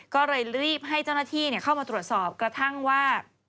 ก็เลยรีบให้เจ้าหน้าที่เข้ามาตรวจสอบกระทั่งว่า